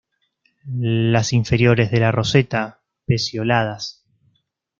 Las inferiores de la roseta, pecioladas.